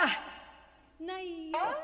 ないよ」。